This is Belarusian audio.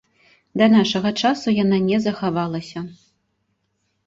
Да нашага часу яна не захавалася.